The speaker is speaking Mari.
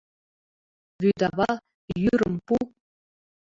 Вӱдава, йӱрым пу